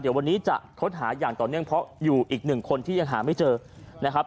เดี๋ยววันนี้จะค้นหาอย่างต่อเนื่องเพราะอยู่อีกหนึ่งคนที่ยังหาไม่เจอนะครับ